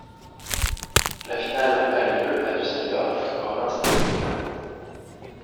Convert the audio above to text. La finale a lieu à Düsseldorf au Rheinstadion.